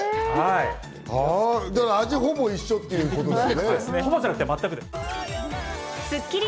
味はほぼ一緒ということですね。